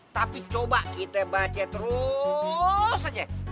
tapi coba kita baca terus aja